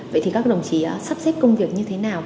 vậy thì các đồng chí sắp xếp công việc như thế nào